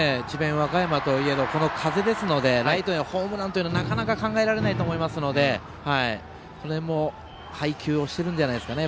和歌山とはいえこの風ですので、ライトへのホームランというのは、なかなか考えられないと思いますからその辺も配球をしているんじゃないんですかね